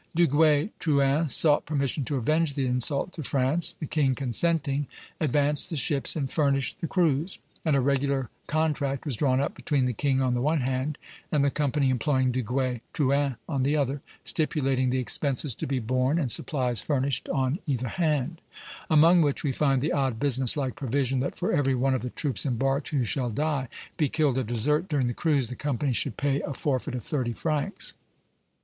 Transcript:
Duguay Trouin sought permission to avenge the insult to France. The king, consenting, advanced the ships and furnished the crews; and a regular contract was drawn up between the king on the one hand and the company employing Duguay Trouin on the other, stipulating the expenses to be borne and supplies furnished on either hand; among which we find the odd, business like provision that for every one of the troops embarked who shall die, be killed, or desert during the cruise, the company should pay a forfeit of thirty francs.